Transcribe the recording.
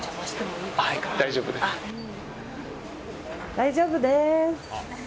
大丈夫です！